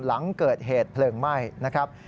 หลังเกิดเหตุเพลิงไหม้นะครับ